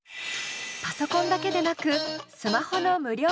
パソコンだけでなくスマホの無料